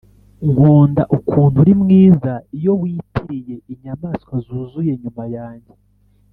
nkunda ukuntu uri mwiza iyo witiriye inyamaswa zuzuye nyuma yanjye